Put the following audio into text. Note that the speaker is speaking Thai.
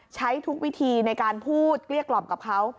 ใช้ทุกวิธีในการพูดเกลี้ยกล่อมกับเขา